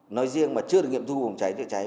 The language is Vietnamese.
nói riêng mà chưa được nghiệm thu phòng cháy chữa cháy